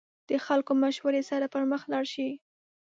د خلکو مشورې سره پرمخ لاړ شئ.